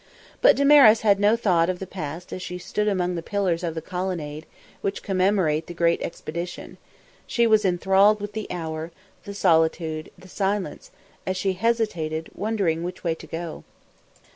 But Damaris had no thought of the past as she stood amongst the pillars of the colonnade which commemorate the great expedition; she was enthralled with the hour, the solitude, the silence, as she hesitated, wondering which way to go.